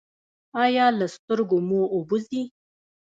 ایا له سترګو مو اوبه ځي؟